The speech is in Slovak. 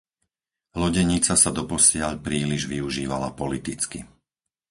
Lodenica sa doposiaľ príliš využívala politicky.